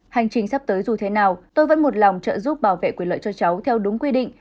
hành trình sắp tới dù thế nào tôi vẫn một lòng trợ giúp bảo vệ quyền lợi cho cháu theo đúng quy định